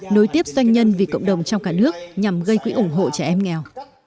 nối tiếp doanh nhân vì cộng đồng trong cả nước nhằm gây quỹ ủng hộ trẻ em nghèo